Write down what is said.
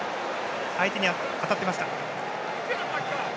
相手に当たっていました。